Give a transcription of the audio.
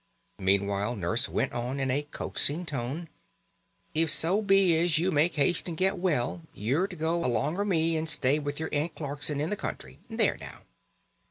Meanwhile Nurse went on in a coaxing tone: "If so be as you make haste and get well, you're to go alonger me and stay with your Aunt Clarkson in the country. There now!"